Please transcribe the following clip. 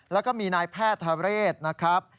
แล้วก็มีนายแพทย์ทะเรศนะครับ